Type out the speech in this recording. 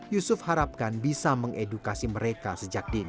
yusuf harapkan bisa mengedukasi mereka sejak dini